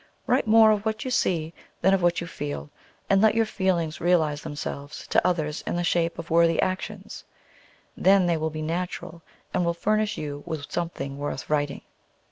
Write more of what you see than of what you feel, and let your feelings realize themselves to others in the shape of worthy actions. Then they will be natural, and will furnish you with something worth writing."